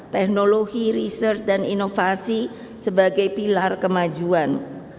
teknologi riset dan inovasi sebagai pilar kemajuan